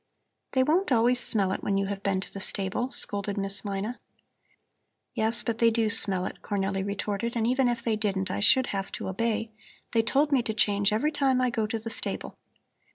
"They won't always smell it when you have been to the stable," scolded Miss Mina. "Yes, but they do smell it," Cornelli retorted, "and even if they didn't, I should have to obey. They told me to change every time I go to the stable."